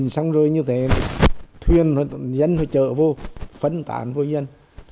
xong rồi như thế thuyền dân trợ vô phân tản vô dân